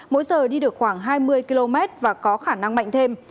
mỗi giờ đi được khoảng hai mươi km và có khả năng mạnh thêm